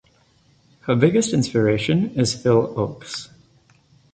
Her biggest inspiration is Phil Ochs.